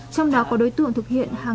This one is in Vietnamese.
trong đó có đối tượng thực hiện bệnh viện